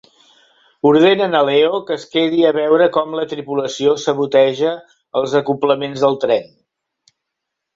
Ordenen a Leo que es quedi a veure com la tripulació saboteja els acoblaments del tren.